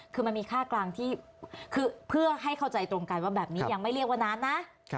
คือมันมีค่ากลางที่คือเพื่อให้เข้าใจตรงกันว่าแบบนี้ยังไม่เรียกว่านานนะ